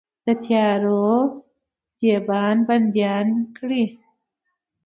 د تیارو دیبان بنديان کړئ